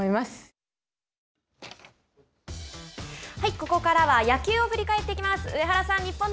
ここからは野球を振り返っていきます。